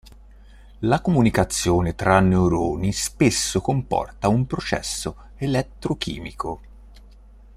La comunicazione tra i neuroni spesso comporta un processo elettrochimico.